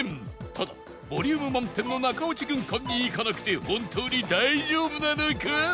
ただボリューム満点の中落軍艦にいかなくて本当に大丈夫なのか？